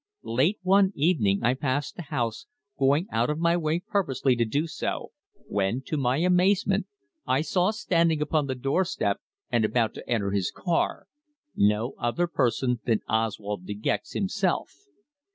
Late one evening I passed the house, going out of my way purposely to do so, when, to my amazement, I saw standing upon the doorstep, and about to enter his car, no other person than Oswald De Gex himself.